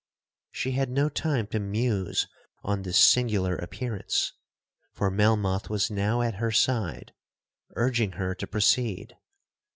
She had no time to muse on this singular appearance, for Melmoth was now at her side urging her to proceed.